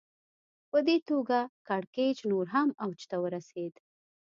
په دې توګه کړکېچ نور هم اوج ته ورسېد